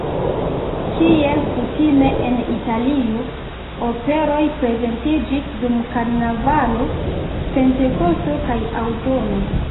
Kiel kutime en Italio, operoj prezentiĝis dum karnavalo, pentekosto kaj aŭtuno.